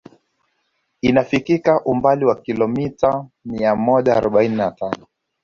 Inafikika umbali wa kilomita mia moja arobaini na tano